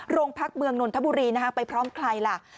โรงพักเมืองนนทบุรีไปพร้อมใครล่ะ